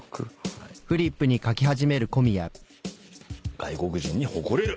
外国人に誇れる。